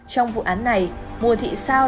trong vụ án này mùa thị sao